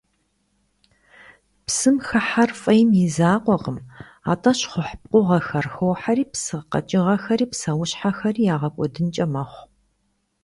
Псым хыхьэр фӀейм и закъуэкъым, атӀэ щхъухь пкъыгъуэхэр хохьэри псы къэкӀыгъэхэри псэущхьэхэри ягъэкӀуэдынкӀэ мэхъу.